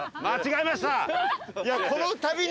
間違えました！